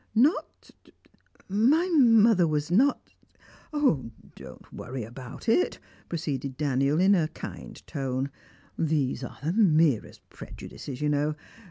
"Not ? My mother was not ?" "Don't worry about it," proceeded Daniel in a kind tone. "These are the merest prejudices, you know.